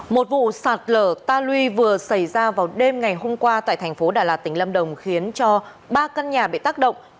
một vụ sạt lở ta luy vừa xảy ra vào đêm ngày hôm qua tại thành phố đà lạt tỉnh lâm đồng khiến cho ba căn nhà bị tác động